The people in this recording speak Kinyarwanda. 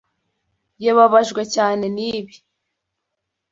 Yababajwe cyane nibi.